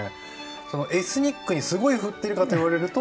そのエスニックにすごいふってるかと言われると。